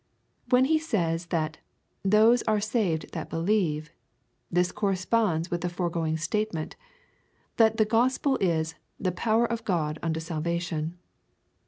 When he says, that those are saved that believe, this corresponds with the fore going statement — that the gospel is the power of God unto salvation.